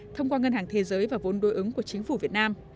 thông qua ngân hàng thế giới và vốn đối ứng của chính phủ việt nam